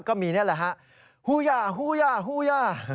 ก็มีนี่แหละฮะฮูยาฮูยาฮูยา